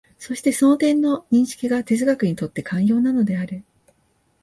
そしてその点の認識が哲学にとって肝要なのである。